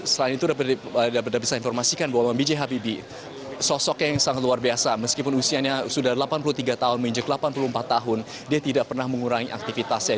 selain itu dapat saya informasikan bahwa b j habibie sosok yang sangat luar biasa meskipun usianya sudah delapan puluh tiga tahun mij delapan puluh empat tahun dia tidak pernah mengurangi aktivitasnya